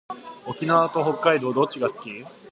沖縄と北海道どっちが好き？